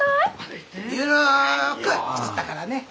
ゆるく作ったからね。